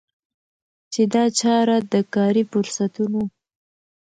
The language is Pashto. چي دا چاره د کاري فرصتونو